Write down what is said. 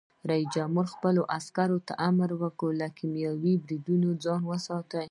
رئیس جمهور خپلو عسکرو ته امر وکړ؛ له کیمیاوي بریدونو ځان وساتئ!